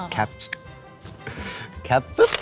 แคบปุ๊บ